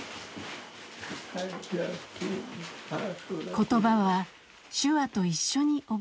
言葉は手話と一緒に覚えます。